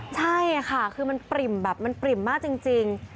ใช่ค่ะคือมันปริ่มแบบมันปริ่มมากจริง